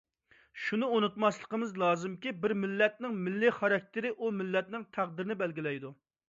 شۇنى ئۇنتۇماسلىقىمىز لازىمكى، بىر مىللەتنىڭ مىللىي خاراكتېرى ئۇ مىللەتنىڭ تەقدىرىنى بەلگىلەيدۇ.